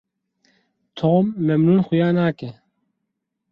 Tom memnûn xuya nake.